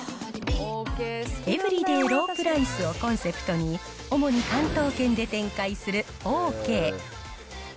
エブリデイロープライスをコンセプトに、主に関東圏で展開するオーケー。